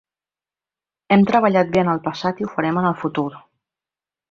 Hem treballat bé en el passat i ho farem en el futur.